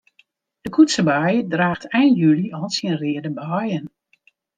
De koetsebei draacht ein july al syn reade beien.